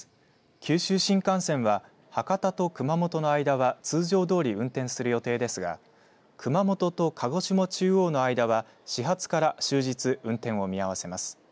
九州新幹線は博多と熊本の間は通常どおり運転する予定ですが熊本と鹿児島中央の間は始発から終日運転を見合わせます。